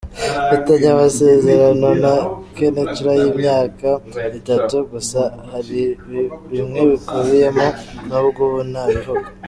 Mfitanye amasezerano na Kénitra y’imyaka itatu, gusa hari bimwe bikubiyemo nubwo ubu ntabivuga.